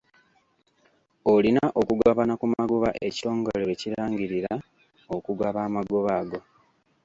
Olina okugabana ku magoba ekitongole lwe kirangirira okugaba amagoba ago.